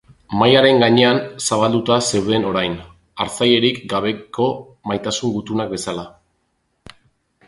Mahaiaren gainean zabalduta zeuden orain, hartzailerik gabeko maitasun gutunak bezala.